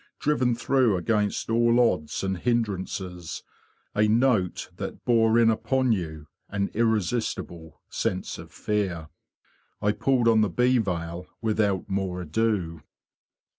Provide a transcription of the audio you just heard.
driven through against all odds and hindrances, a note that bore in upon you an irresistible sense of fear. I pulled on the bee veil without more ado.